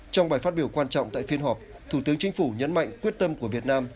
trong bài phát biểu quan trọng tại phiên họp thủ tướng chính phủ nhấn mạnh quyết tâm của việt nam